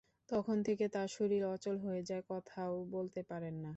তখন থেকে তাঁর শরীর অচল হয়ে যায়, কথাও বলতে পারেন না।